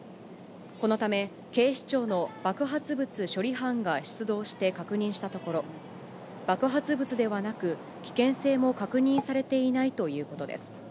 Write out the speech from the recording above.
このため、警視庁の爆発物処理班が出動して確認したところ、爆発物ではなく、危険性も確認されていないということです。